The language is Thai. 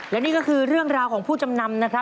และนี่ก็คือเรื่องราวของผู้จำนำนะครับ